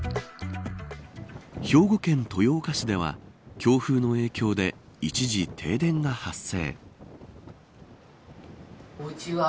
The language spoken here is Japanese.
兵庫県豊岡市では強風の影響で一時停電が発生。